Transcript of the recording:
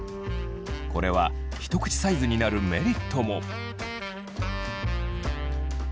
これはひと口サイズになるメリットも。